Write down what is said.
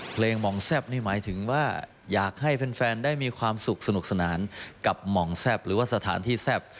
หม่องแซ่บนี่หมายถึงว่าอยากให้แฟนได้มีความสุขสนุกสนานกับหม่องแซ่บหรือว่าสถานที่แซ่บ